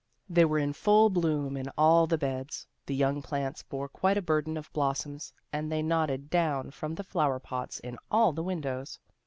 They were in full bloom in all the beds, the young plants bore quite a burden of blossoms, and they nodded down from the flower pots in all the windows.